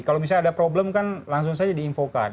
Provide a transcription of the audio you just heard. kalau misalnya ada problem kan langsung saja diinfokan